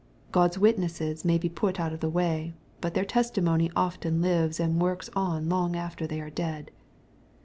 God's witnesses may be put out of the way, but their testimony often lives and works on long after they are dead.